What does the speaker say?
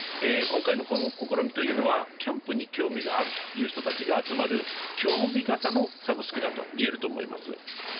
今回の試みはキャンプに興味があるという人たちが集まる興味型のサブスクだといえると思います。